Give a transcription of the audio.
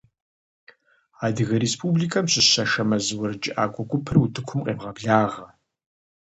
Адыгэ республикэм щыщ «Ашэмэз» уэрэджыӏакӏуэ гупыр утыкум къевгъэблагъэ!